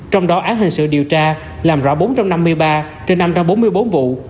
trong đó án hình sự điều tra làm rõ bốn trăm năm mươi ba trên năm trăm bốn mươi bốn vụ